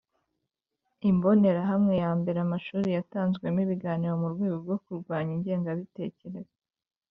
Imbonerahamwe ya mbere Amashuri yatanzwemo ibiganiro mu rwego rwo kurwanya ingengabitekerezo